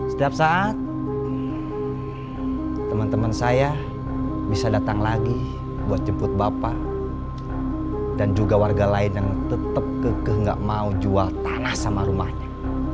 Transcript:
setiap saat teman teman saya bisa datang lagi buat jemput bapak dan juga warga lain yang tetap kekeh nggak mau jual tanah sama rumahnya